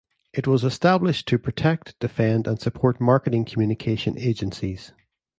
It was established to protect, defend and support marketing communication agencies.